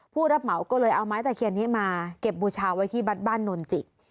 ผู้รับเหมาก็เลยเอาไม้ตะเคียนนี้มาเก็บบูชาไว้ที่วัดบ้านนนจิก